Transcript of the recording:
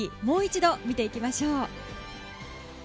もう一度見ていきましょう。